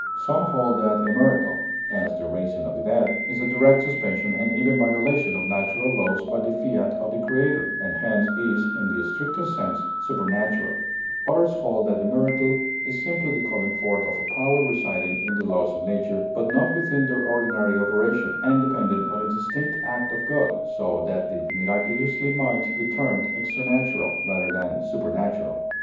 Some hold that a miracle, as the raising of the dead, is a direct suspension and even violation of natural laws by the fiat of the Creator, and hence is, in the strictest sense, supernatural; others hold that the miracle is simply the calling forth of a power residing in the laws of nature, but not within their ordinary operation, and dependent on a distinct act of God, so that the miraculous might be termed "extranatural," rather than supernatural.